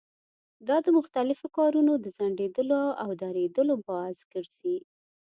دا د مختلفو کارونو د ځنډېدلو او درېدلو باعث ګرځي.